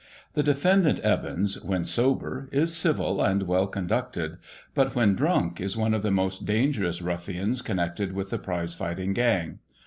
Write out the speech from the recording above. The defendant Evans, when sober, is civil and well con ducted, but, when drunk, is one of the most dangerous ruffians connected with the prize fighting gang.